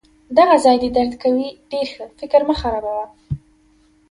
دغه ځای دي درد کوي؟ ډیر ښه! فکر مه خرابوه.